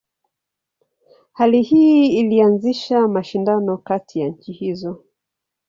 Hali hii ilianzisha mashindano kati ya nchi hizo.